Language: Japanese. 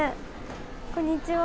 こんにちは。